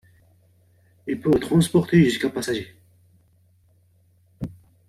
Il pourrait transporter jusqu'à passagers.